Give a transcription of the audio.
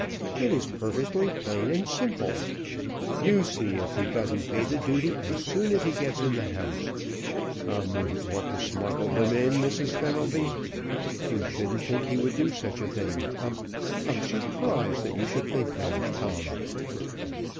It is perfectly plain and simple! You see if he doesn't pay the duty as soon as he gets in the house. Tom wouldn't want to smuggle them in, Mrs. Fenelby. You shouldn't think he would do such a thing. I'm I'm surprised that you should think that of Tom."